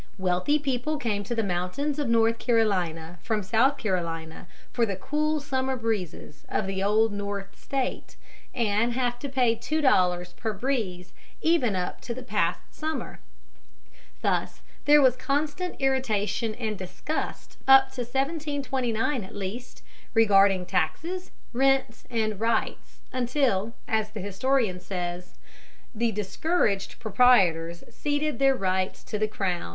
Wealthy people come to the mountains of North Carolina from South Carolina for the cool summer breezes of the Old North State, and have to pay two dollars per breeze even up to the past summer. Thus there was constant irritation and disgust up to 1729 at least, regarding taxes, rents, and rights, until, as the historian says, "the discouraged Proprietors ceded their rights to the crown."